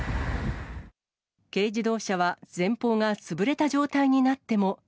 軽自動車は前方が潰れた状態になっても。